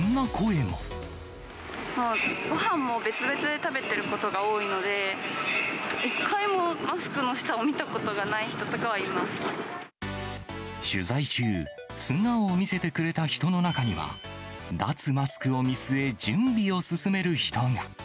もう、ごはんも別々で食べてることが多いので、一回もマスクの下を見た取材中、素顔を見せてくれた人の中には、脱マスクを見据え、準備を進める人が。